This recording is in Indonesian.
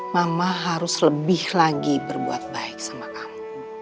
mama harus lebih lagi berbuat baik sama kamu